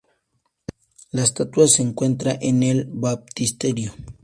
La estatua se encuentra en el baptisterio.